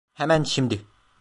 Hemen şimdi!